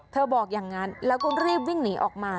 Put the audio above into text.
บอกอย่างนั้นแล้วก็รีบวิ่งหนีออกมา